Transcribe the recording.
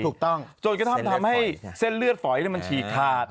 ถูกต้องจนกระทั่งทำให้เส้นเลือดฝอยมันฉีกขาด